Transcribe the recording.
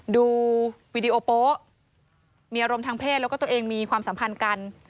ดูวีดีโอโป๊ะมีอารมณ์ทางเพศแล้วก็ตัวเองมีความสัมพันธ์กัน